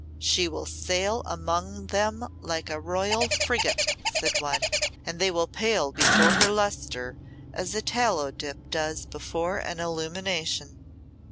"She will sail among them like a royal frigate," said one; "and they will pale before her lustre as a tallow dip does before an illumination."